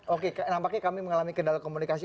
oke nampaknya kami mengalami kendala komunikasi